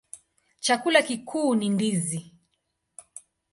Chakula kikuu ni ndizi.